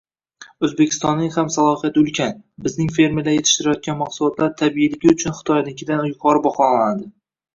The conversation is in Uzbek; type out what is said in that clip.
O‘zbekistonning ham salohiyati ulkan. Bizning fermerlar yetishtirgan mahsulot tabiiyligi uchun Xitoynikidan yuqori baholanadi.